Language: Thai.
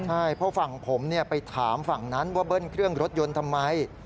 ใช่เพราะฝั่งผมไปถามฝั่งนั้นว่าเบิ้ลเครื่องรถยนต์ทำไม